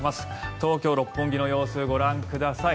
東京・六本木の様子ご覧ください。